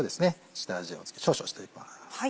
下味を少々していきます。